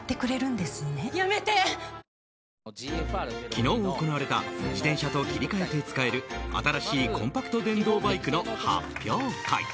昨日行われた自転車と切り替えて使える新しいコンパクト電動バイクの発表会。